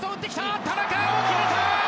田中碧、決めた！